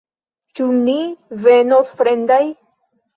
Ĉu ni venos fremdaj?